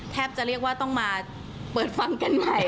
จะเรียกว่าต้องมาเปิดฟังกันใหม่